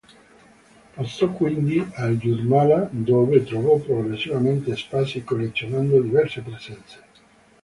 Passò quindi al Jūrmala, dove trovò progressivamente spazi, collezionando diverse presenze.